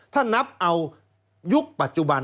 ถ้านับเอายุคปัจจุบัน